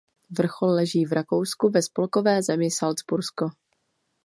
Vrchol leží v Rakousku ve spolkové zemi Salcbursko.